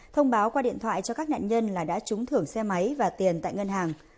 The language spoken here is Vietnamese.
thông báo qua điện thoại cho các nạn nhân là đã trúng thưởng xe máy và tiền tại ngân hàng